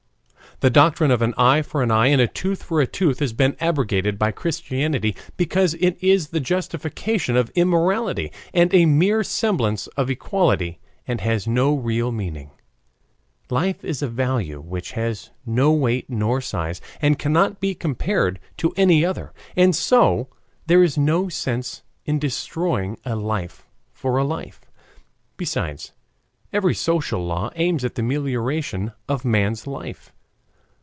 The doctrine of an eye for an eye and a tooth for a tooth has been abrogated by Christianity, because it is the justification of immorality, and a mere semblance of equity, and has no real meaning. Life is a value which has no weight nor size, and cannot be compared to any other, and so there is no sense in destroying a life for a life. Besides, every social law aims at the amelioration of man's life.